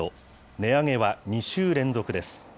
値上げは２週連続です。